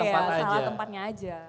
salah tempatnya aja